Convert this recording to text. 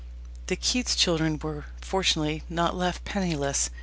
The Keats children were fortunately not left penniless.